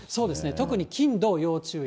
特に金、土、要注意。